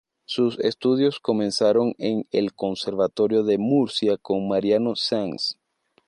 Sus estudios comenzaron en el Conservatorio de Murcia con Mariano Sanz.